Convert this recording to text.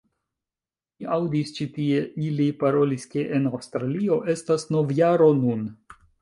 Mi aŭdis ĉi tie ili parolis ke en Aŭstralio estas novjaro nun